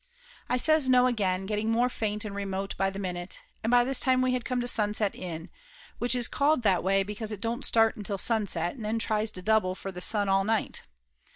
I says no again, getting more faint and remote by the minute, and by this time we had come to Sunset Inn, which is called that way because it don't start until sunset and then tries to double for the sun all night.